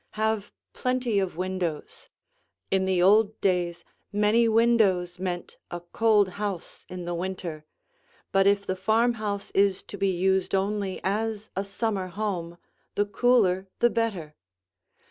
Have plenty of windows; in the old days, many windows meant a cold house in the winter, but if the farmhouse is to be used only as a summer home, the cooler the better.